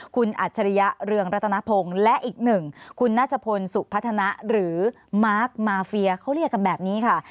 คุณอัจฉริยะเรืองรัตนพงศ์และอีกหนึ่งคุณนัชพลสุพัฒนะหรือมาร์คมาเฟียเขาเรียกกันแบบนี้ค่ะ